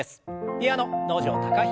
ピアノ能條貴大さん。